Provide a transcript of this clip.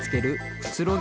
くつろぎ